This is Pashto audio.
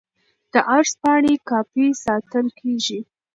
د عرض پاڼې کاپي ساتل کیږي.